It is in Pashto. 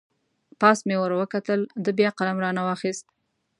پاس مې ور وکتل، ده بیا قلم را نه واخست.